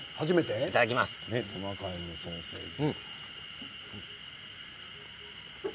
トナカイのソーセージ。